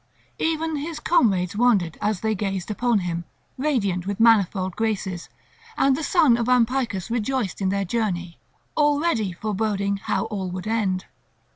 Even his comrades wondered as they gazed upon him, radiant with manifold graces; and the son of Ampycus rejoiced in their journey, already foreboding how all would end.